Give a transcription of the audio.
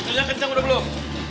itu nya kenceng udah belum